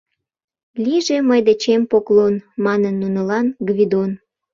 Лийже мый дечем поклон», Манын нунылан Гвидон